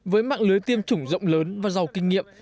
với mạng lưới tiêm chủng rộng lớn và giàu kinh nghiệm